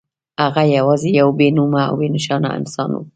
هغه یوازې یو بې نومه او بې نښانه انسان و